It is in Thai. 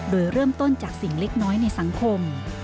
โดยเริ่มต้นจากสิ่งเล็กน้อยในสังคม